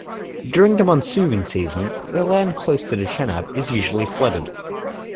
During the monsoon season, the land close to the Chenab is usually flooded.